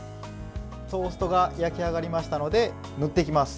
トーストが焼き上がりましたので塗っていきます。